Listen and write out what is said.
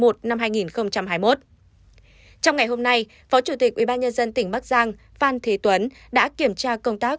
trong ngày hôm nay phó chủ tịch ubnd tỉnh bắc giang phan thế tuấn đã kiểm tra công tác